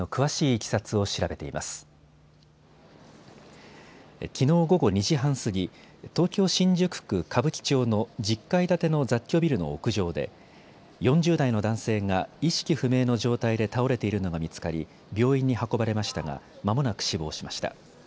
きのう午後２時半過ぎ、東京新宿区歌舞伎町の１０階建ての雑居ビルの屋上で４０代の男性が意識不明の状態で倒れているのが見つかり病院に運ばれましたがまもなく死亡しました。